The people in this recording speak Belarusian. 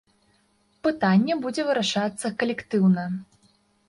Пытанне будзе вырашацца калектыўна.